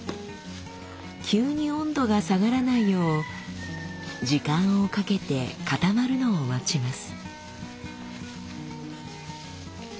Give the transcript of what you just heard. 急に温度が下がらないよう時間をかけて固まるのを待ちます。